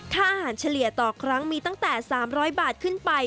ค่าอาหารเฉลี่ยต่อครั้งมีตั้งแต่๓๐๐บาทขึ้นไป